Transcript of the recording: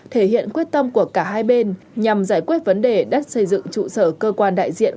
thể hiện quyết tâm của cả hai bên nhằm giải quyết vấn đề đất xây dựng trụ sở cơ quan đại diện